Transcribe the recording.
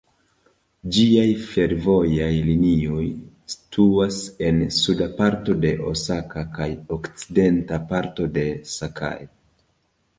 Ĝiaj fervojaj linioj situas en suda parto de Osako kaj okcidenta parto de Sakai.